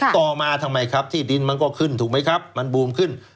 ต่อมาทำไมครับที่ดินมันก็ขึ้นถูกไหมครับมันบูมขึ้น